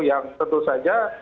yang tentu saja